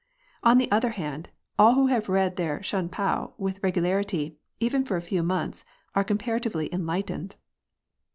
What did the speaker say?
On the other hand, all who have read their Shun pao with regu larity, even for a few months, are comparatively en lightened.